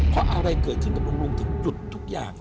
เพราะอะไรเกิดขึ้นกับลุงถึงจุดทุกอย่าง